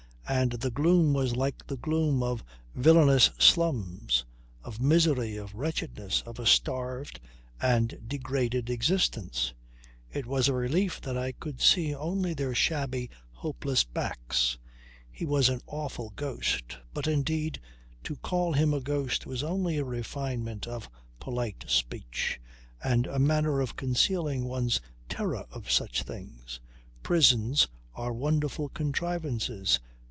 And the gloom was like the gloom of villainous slums, of misery, of wretchedness, of a starved and degraded existence. It was a relief that I could see only their shabby hopeless backs. He was an awful ghost. But indeed to call him a ghost was only a refinement of polite speech, and a manner of concealing one's terror of such things. Prisons are wonderful contrivances.